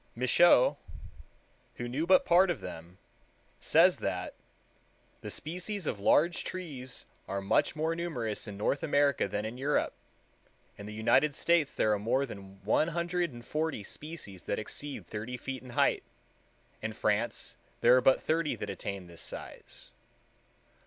Michaux, who knew but part of them, says that "the species of large trees are much more numerous in North America than in Europe; in the United States there are more than one hundred and forty species that exceed thirty feet in height; in France there are but thirty that attain this size."